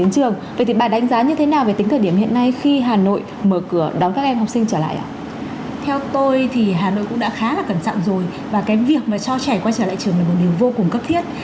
cho trẻ quay trở lại trường là một điều vô cùng cấp thiết